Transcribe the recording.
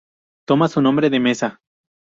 Toma su nombre de mesa.